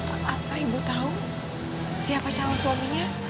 apa ibu tahu siapa calon suaminya